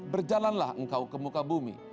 berjalanlah engkau ke muka bumi